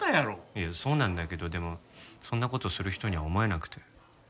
いやそうなんだけどでもそんな事をする人には思えなくて。